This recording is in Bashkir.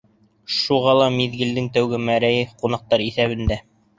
Шуға ла миҙгелдең тәүге мәрәйе — ҡунаҡтар иҫәбендә.